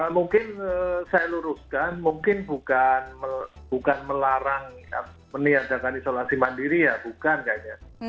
mungkin saya luruskan mungkin bukan melarang meniadakan isolasi mandiri ya bukan kayaknya